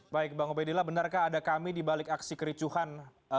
baik bang obedillah benarkah ada kami dibalik aksi kericuhan